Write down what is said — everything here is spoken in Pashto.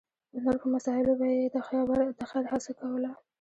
د نورو په مسایلو به یې د خېر هڅه کوله.